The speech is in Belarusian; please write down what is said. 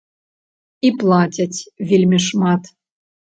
І плацяць вельмі шмат.